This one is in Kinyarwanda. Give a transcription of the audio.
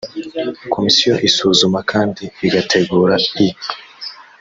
komisiyo isuzuma kandi igategura i